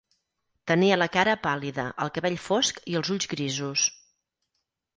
Tenia la cara pàl·lida, el cabell fosc i els ulls grisos.